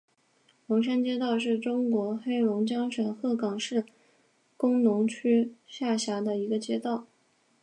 龙山街道是中国黑龙江省鹤岗市工农区下辖的一个街道。